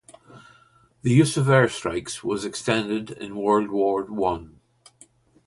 The use of air strikes was extended in World War One.